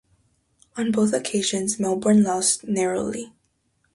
On both occasions, Melbourne lost narrowly.